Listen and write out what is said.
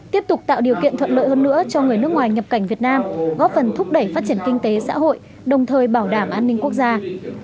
tiếp tục tạo điều kiện thuận lợi hơn nữa cho người nước ngoài nhập cảnh việt nam góp phần thúc đẩy phát triển kinh tế xã hội đồng thời bảo đảm an ninh quốc gia